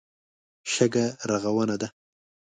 شګه رغونه ده.